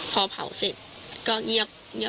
พอเผาเสร็จก็เงียบ